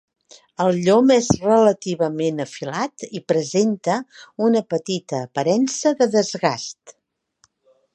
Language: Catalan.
El llom és relativament afilat i presenta una petita aparença de desgast.